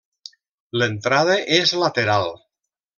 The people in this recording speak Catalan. L'entrada és lateral.